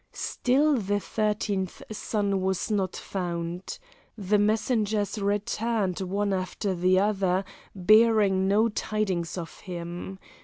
Still the thirteenth son was not found. The messengers returned one after the other, bearing no tidings of him.